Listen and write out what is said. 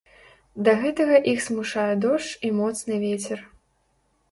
Да гэтага іх змушае дождж і моцны вецер.